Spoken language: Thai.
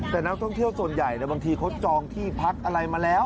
แต่นักท่องเที่ยวส่วนใหญ่บางทีเขาจองที่พักอะไรมาแล้ว